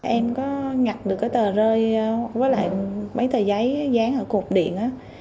em có nhặt được cái tờ rơi với lại mấy tờ giấy dán ở cuộc điện